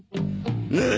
何！